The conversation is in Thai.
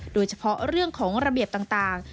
โดยเฉพาะเรื่องของระเบียบต่าง